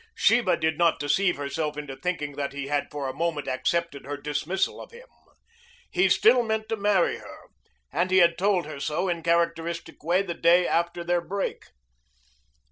Sheba did not deceive herself into thinking that he had for a moment accepted her dismissal of him. He still meant to marry her, and he had told her so in characteristic way the day after their break.